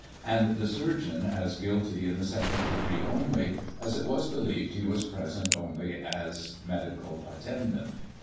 221 and the surgeon as guilty in the second degree only, as it was believed he was present only as medical attendant.